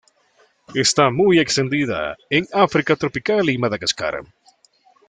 Está muy extendida en África tropical y Madagascar.